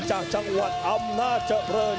การต่อไปกับ๓๔ปีและ๓๓วิทยาลัย